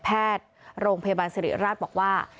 แพทย์โรงพยาบาลสิริราชบอกว่า